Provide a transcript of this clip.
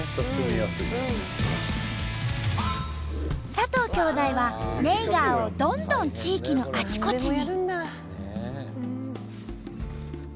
佐藤兄弟はネイガーをどんどん地域のあちこちに。